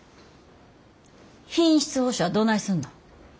品質保証はどないすんの？